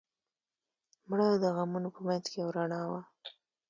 مړه د غمونو په منځ کې یو رڼا وه